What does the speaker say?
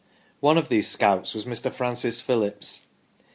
One of these scouts was Mr. Francis Phillips.